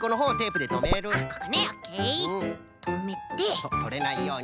そうとれないように。